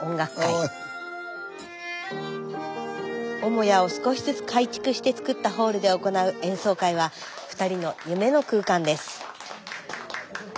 母屋を少しずつ改築してつくったホールで行う演奏会は２人の夢の空間です。